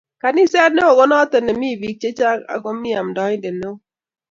Kaniset neo konoto ne mi biik chechang ako mi amndaindet neo